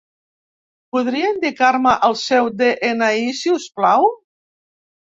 Podria indicar-me el seu de-ena-i, si us plau?